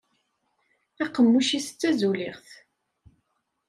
Aqemmuc-is d tazuliɣt.